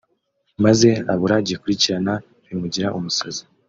maze abura gikurikirana bimugira umusazi